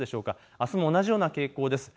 あすも同じような傾向です。